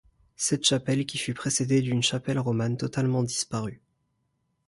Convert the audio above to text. Cette chapelle qui fut précédée d'une chapelle romane totalement disparue.